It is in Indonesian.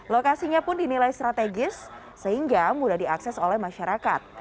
lokasinya pun dinilai strategis sehingga mudah diakses oleh masyarakat